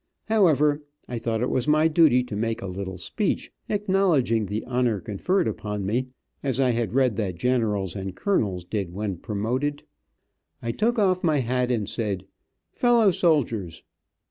However, I thought it was my duty to make a little speech, acknowledging the honor conferred upon me, as I had read that generals and colonels did when promoted. I took off my hat and said, "Fellow soldiers."